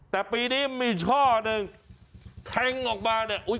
แต่ปีนี้มีช่อหนึ่งแทงออกมาเนี่ย